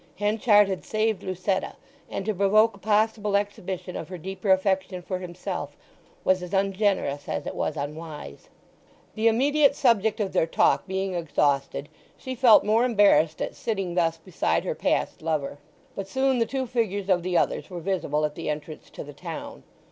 Henchard had saved Lucetta, and to provoke a possible exhibition of her deeper affection for himself was as ungenerous as it was unwise. The immediate subject of their talk being exhausted she felt more embarrassed at sitting thus beside her past lover; but soon the two figures of the others were visible at the entrance to the town.